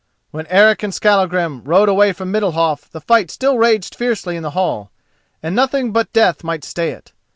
When Eric and Skallagrim rode away from Middalhof the fight still raged fiercely in the hall, and nothing but death might stay it.